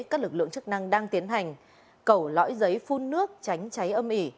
các lực lượng chức năng đang tiến hành cầu lõi giấy phun nước tránh cháy âm ỉ